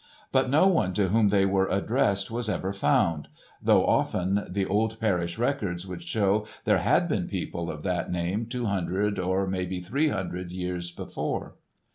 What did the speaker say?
But no one to whom they were addressed was ever found, though often the old parish records would show there had been people of that name two hundred or, maybe, three hundred years before.